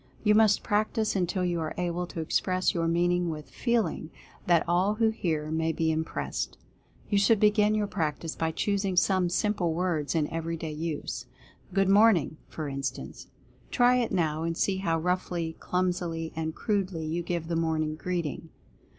You must practice until you are able to express your meaning with "feeling" that all who hear may be im pressed. You should begin your practice by choosing some simple words in every day use — "Good Morn ing !" for instance. Try it now, and see how roughly, clumsily and crudely you give the morning greeting.